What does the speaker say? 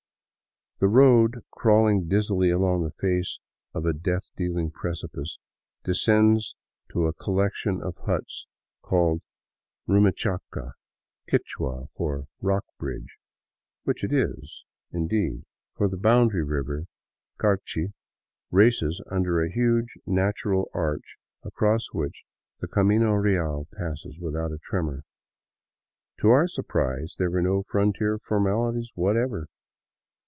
The road, crawling dizzily along the face of a death dealing precipice, descends to a collection of huts called Rumichaca — Quichua for " rock bridge," which it is, in deed, for the boundary river, Carchi, races under a huge natural arch across which the camino real passes without a tremor. To our sur prise, there were no frontier formalities whatever.